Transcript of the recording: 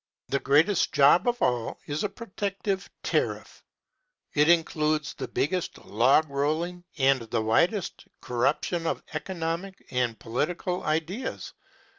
The greatest job of all is a protective tariff. It includes the biggest log rolling and the widest corruption of economic and political ideas.